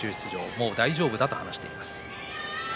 もう大丈夫だと話しています。